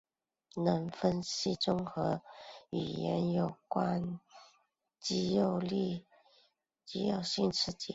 能分析综合与语言有关肌肉性刺激。